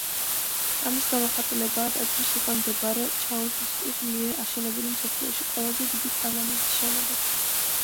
ამის გამოხატულებაა ტაძრის უკან მდებარე ჩაუშესკუს მიერ აშენებული მსოფლიოში ყველაზე დიდი პარლამენტის შენობაც.